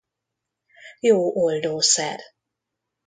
Jó oldószer.